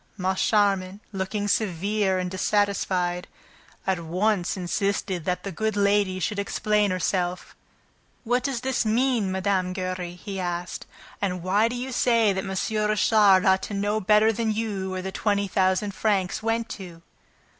Moncharmin, looking severe and dissatisfied, at once insisted that the good lady should explain herself. "What does this mean, Mme. Giry?" he asked. "And why do you say that M. Richard ought to know better than you where the twenty thousand francs went to?"